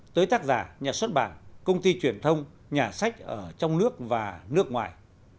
tới tác giả nhà xuất bản công ty truyền thông nhà sách ở trong nước và nước ngoài